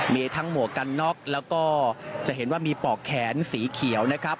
มีทั้งหมวกกันน็อกแล้วก็จะเห็นว่ามีปอกแขนสีเขียวนะครับ